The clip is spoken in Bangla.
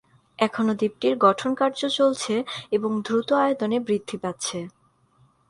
এখনও দ্বীপটির গঠন কার্য চলছে এবং দ্রুত আয়তনে বৃদ্ধি পাচ্ছে।